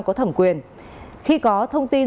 có thẩm quyền khi có thông tin